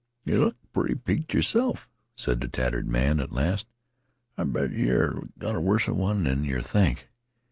"Yeh look pretty peek ed yerself," said the tattered man at last. "I bet yeh 've got a worser one than yeh think.